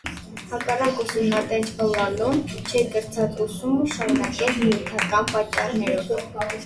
Հակառակ ուսումնատենչ ըլլալուն, չէ կրցած ուսումը շարունակել նիւթական պատճառներով։